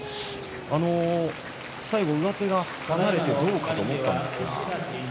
最後、上手が離れてどうかと思ったんですが。